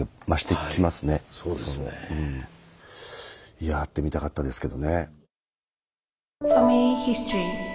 いや会ってみたかったですけどね。